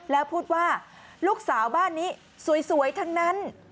แล้วพูดว่าลูกสาวบ้านนี้สวยทั้งนั้น